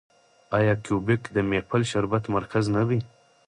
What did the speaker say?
آیا کیوبیک د میپل شربت مرکز نه دی؟